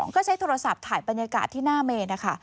ก็ใช้โทรศัพท์ถ่ายบรรยากาศที่หน้าเมนนะคะ